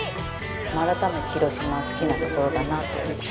改めて広島は好きなところだなと。